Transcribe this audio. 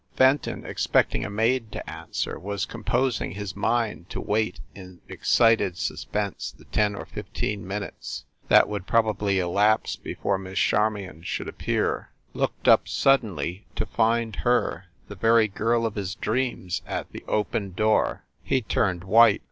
Fenton, expecting a maid to answer, was com posing his mind to wait in excited suspense the ten or fifteen minutes that would probably elapse before Miss Charmion should appear, looked up suddenly, to find her the very girl of his dreams at the opened door. He turned white.